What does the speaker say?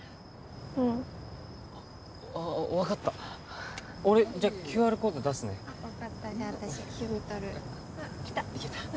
うんあ分かった俺じゃあＱＲコード出すね分かったじゃあ私読み取るきたいけた？